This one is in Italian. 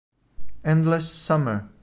Endless Summer